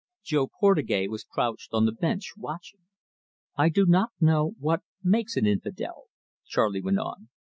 Jo Portugais was crouched on the bench, watching. "I do not know what makes an infidel," Charley went on.